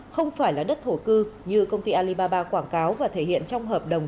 không phải là đất thổ cư như công ty alibaba quảng cáo và thể hiện trong hợp đồng